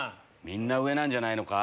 みんな上なんじゃないのか？